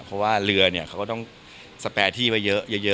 เพราะว่าเรือเนี่ยเขาก็ต้องสแปรที่ไว้เยอะ